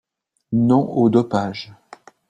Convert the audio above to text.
Non au dopage